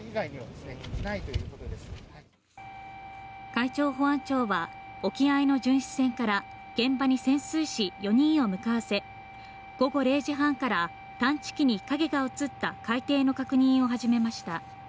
海上保安庁は沖合の巡視船から現場に潜水士４人を向かわせ、午後０時半から探知機に影が映った海底の確認を始めました。